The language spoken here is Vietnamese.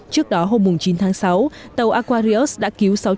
trước đó hôm chín tháng sáu tàu aquarius đã cứu sáu trăm hai mươi người